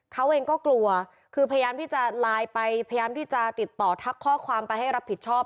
เขาเองก็กลัวคือพยายามที่จะไลน์ไปพยายามที่จะติดต่อทักข้อความไปให้รับผิดชอบ